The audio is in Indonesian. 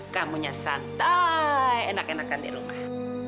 kamunya santai enak enakan di rumah